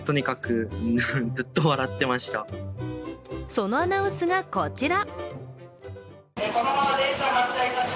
そのアナウンスがこちら。